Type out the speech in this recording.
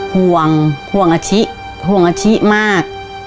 ห่วงห่วงอาชิห่วงอาทิมาก